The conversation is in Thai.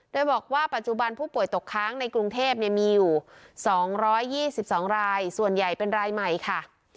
โดยบอกว่าปัจจุบันผู้ป่วยตกค้างในกรุงเทพมีอยู่๒๒รายส่วนใหญ่เป็นรายใหม่ค่ะ